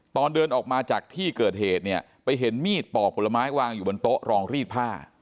ตอนเดินออกมาจากที่เกิดเหตุเนี่ยไปเห็นมีดปอกผลไม้วางอยู่บนโต๊ะรองรีดผ้า